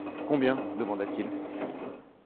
Combien ? demanda-t-il.